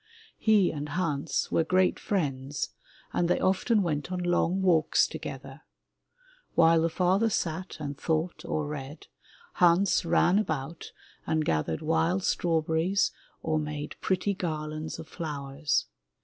He and Hans were great friends and they often went on long walks together. While the father sat and thought or read, Hans ran about and gathered wild strawberries or made pretty garlands of flowers.